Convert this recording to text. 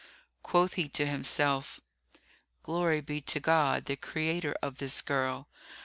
Quoth he to himself, "Glory be to God, the Creator of this girl!